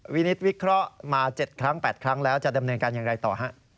วินิตวิเคราะห์มา๗ครั้ง๘ครั้งแล้วจะดำเนินการอย่างไรต่อฮะ